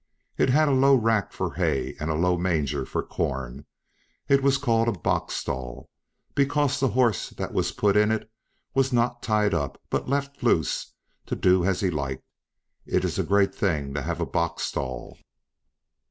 It had a low rack for hay and a low manger for corn; it was called a box stall, because the horse that was put into it was not tied up, but left loose, to do as he liked. It is a great thing to have a box stall.